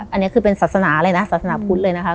อันนี้คือเป็นศาสนาเลยนะศาสนาพุทธเลยนะคะ